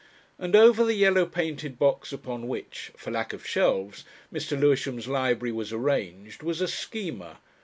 And over the yellow painted box upon which for lack of shelves Mr. Lewisham's library was arranged, was a "Schema."